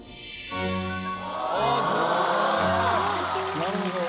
なるほど。